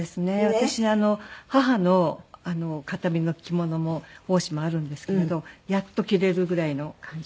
私母の形見の着物も大島あるんですけれどやっと着れるぐらいの感じに。